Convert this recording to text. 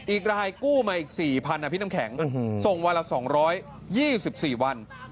อีกรายกู้มาอีก๔๐๐นะพี่น้ำแข็งส่งวันละ๒๒๔วัน